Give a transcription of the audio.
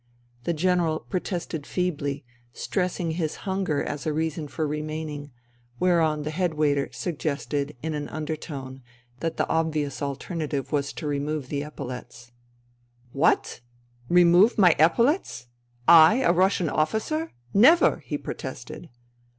The General protested feebly^ stressing his hunger as a reason for remaining, whereon the head waiter suggested, in an undertone, that the obvious alternative was to remove the epaulets. INTERVENING IN SIBERIA 111 " What ! Remove my epaulets I I, a Russian officer ? Never !*' he protested.